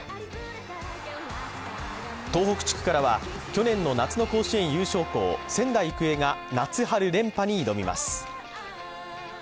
東北地区からは、去年の夏の甲子園優勝校仙台育英が夏春連覇に挑みます。